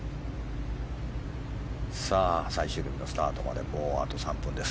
最終日のスタートまでもうあと３分です。